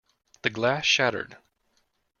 The glass shattered.